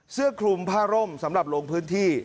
เสื้อคลุมผ้าร่มสำหรับลงพื้นที่